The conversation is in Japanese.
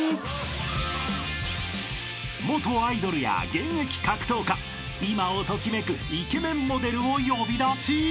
［元アイドルや現役格闘家今を時めくイケメンモデルを呼び出し！］